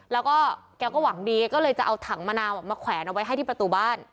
แล้วก็แกก็หวังดีก็เลยจะเอาถังมะนาวมาแขวนเอาไว้ให้ที่ประตูบ้าน